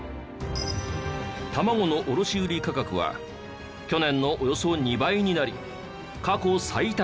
卵の卸売価格は去年のおよそ２倍になり過去最高値。